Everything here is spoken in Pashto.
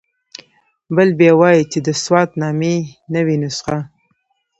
بل بیا وایي چې د سوات نامې نوې نسخه.